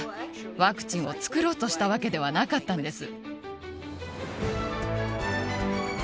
ワクチンを作ろうとしたわけではなかったんです。